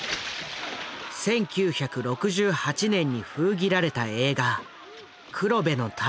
１９６８年に封切られた映画「黒部の太陽」。